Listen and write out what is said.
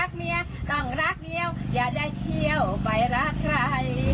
เมียต้องรักเมียวอย่าได้เที่ยวไปรักใคร